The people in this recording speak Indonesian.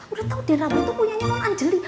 udah tau den rama itu punya non angeli